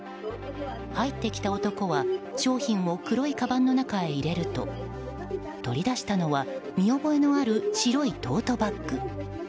入ってきた男は商品を黒いかばんの中へ入れると取り出したのは見覚えのある白いトートバッグ。